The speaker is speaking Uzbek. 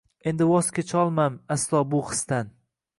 Endi voz kecholmam aslo bu hisdan